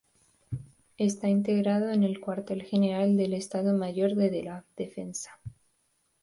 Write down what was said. Está integrado en el Cuartel General del Estado Mayor de la Defensa.